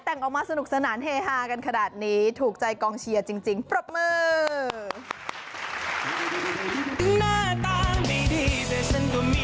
แต่งออกมาสนุกสนานเฮฮากันขนาดนี้ถูกใจกองเชียร์จริงปรบมือ